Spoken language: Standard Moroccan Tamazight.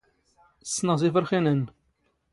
ⵙⵙⵏⵖ ⵜⵉⴼⵔⵅⵉⵏ ⴰⵏⵏ.